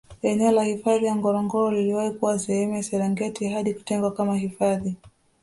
Eneo la hifadhi ya Ngorongoro liliwahi kuwa sehemu ya Serengeti hadi kutengwa kama hifadhi